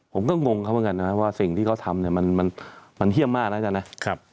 ผมก็งงเขาเหมือนกันนะว่าสิ่งที่เขาทำเนี่ยมันเยี่ยมมากอาจารย์นะ